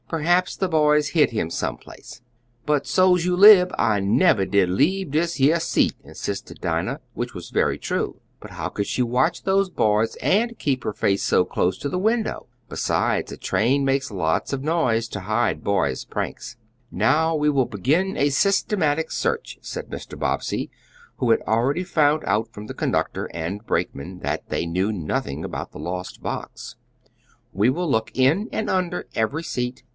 Perhaps the boys hid him some place." "But suah's you lib I nebber did leab dis yeah seat," insisted Dinah, which was very true. But how could she watch those boys and keep her face so close to the window? Besides, a train makes lots of noise to hide boys' pranks. "Now, we will begin a systematic search," said Mr. Bobbsey, who had already found out from the conductor and brakeman that they knew nothing about the lost box. "We will look in and under every seat.